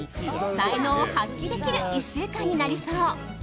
才能を発揮できる１週間になりそう。